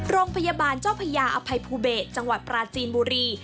โรงพยาบาลเจ้าพญาอภัยภูเบศจังหวัดปราจีนบุรี